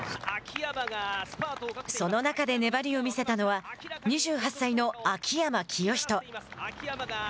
その中で粘りを見せたのは２８歳の秋山清仁。